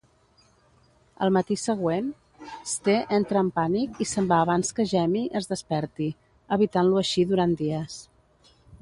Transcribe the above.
El matí següent, Ste entra en pànic i se'n va abans que Jamie es desperti, evitant-lo així durant dies.